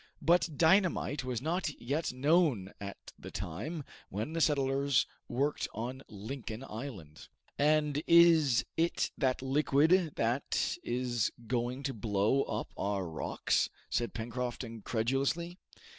But dynamite was not yet known at the time when the settlers worked on Lincoln Island. "And is it that liquid that is going to blow up our rocks?" said Pencroft incredulously.